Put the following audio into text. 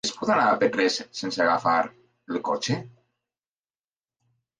Es pot anar a Petrés sense agafar el cotxe?